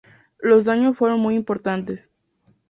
Los daños fueron muy importantes.